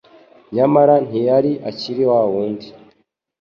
Nyamara ntiyari akiri wa wundi.